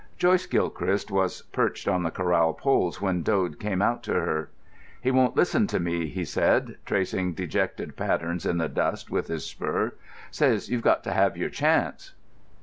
Joyce Gilchrist was perched on the corral poles when Dode came out to her. "He won't listen to me," he said, tracing dejected patterns in the dust with his spur. "Says you've got to have your chance."